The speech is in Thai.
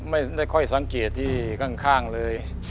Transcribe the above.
ไม่ค่อยสังเกตที่ข้างเลย